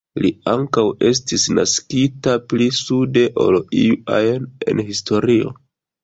Li ankaŭ estis naskita pli sude ol iu ajn en historio.